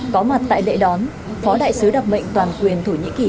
có mặt tại lễ đón phó đại sứ đặc mệnh toàn quyền thổ nhĩ kỳ